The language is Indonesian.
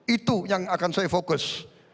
itu yang akan saya fokus